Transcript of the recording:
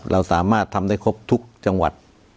เราสามารถทำได้ครบทุกจังหวัด